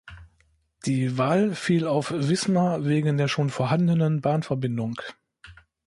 Die Wahl fiel auf Wismar wegen der schon vorhandenen Bahnverbindung.